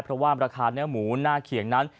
เพราะว่าราคาเนื้อหมูหน้าเขียงนั้น